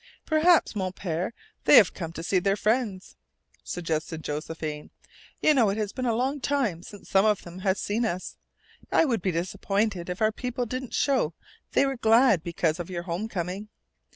"Perhaps, Mon Pere, they have come to see their friends," suggested Josephine. "You know, it has been a long time since some of them have seen us. I would be disappointed if our people didn't show they were glad because of your home coming!"